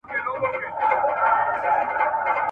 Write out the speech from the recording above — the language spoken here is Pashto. تنها ښه نه یې زه به دي یارسم !.